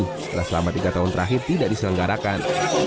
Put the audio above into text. setelah selama tiga tahun terakhir tidak diselenggarakan